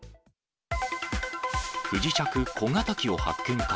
不時着小型機を発見か。